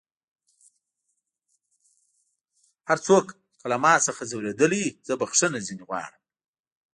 هر څوک که له ما څخه ځؤرېدلی وي زه بخښنه ځينې غواړم